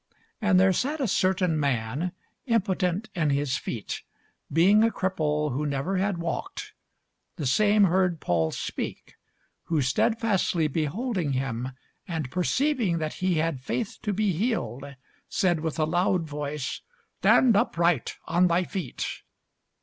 And there sat a certain man, impotent in his feet, being a cripple who never had walked: the same heard Paul speak: who stedfastly beholding him, and perceiving that he had faith to be healed, said with a loud voice, Stand upright on thy feet.